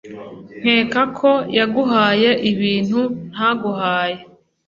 nkeka ko yaguhaye ibintu ntaguhaye